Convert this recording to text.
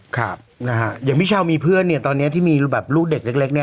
อย่างพี่เช้ามีเพื่อนเนี้ยตอนเนี้ยที่มีแบบลูกเด็กเล็กเนี้ย